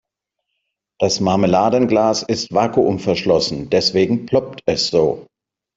Das Marmeladenglas ist vakuumverschlossen, deswegen ploppt es so.